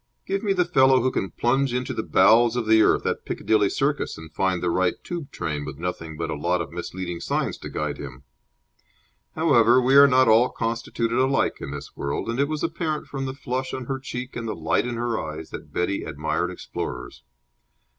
Give me the fellow who can plunge into the bowels of the earth at Piccadilly Circus and find the right Tube train with nothing but a lot of misleading signs to guide him. However, we are not all constituted alike in this world, and it was apparent from the flush on her cheek and the light in her eyes that Betty admired explorers.